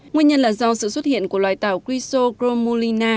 nguyên nhân là do sự xuất hiện của loài tảo grisso gromulin